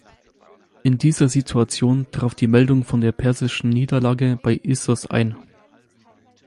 In dieser Situation traf die Meldung von der persischen Niederlage bei Issos ein.